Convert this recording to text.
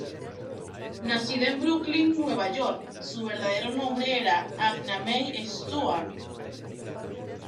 Nacida en Brooklyn, Nueva York, su verdadero nombre era Anna May Stewart.